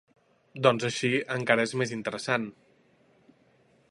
Doncs així encara és més interessant.